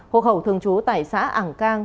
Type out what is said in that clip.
hộ khẩu thường trú tại xã ảng cang